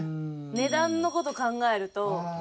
値段の事考えると。